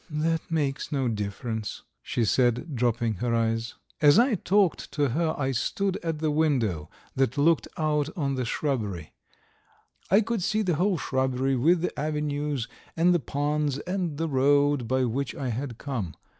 "That makes no difference ..." she said, dropping her eyes. As I talked to her I stood at the window that looked out on the shrubbery. I could see the whole shrubbery with the avenues and the ponds and the road by which I had come.